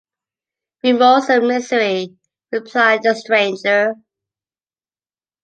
‘Remorse and misery,’ replied the stranger.